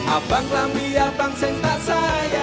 apakah pilihan yang saksa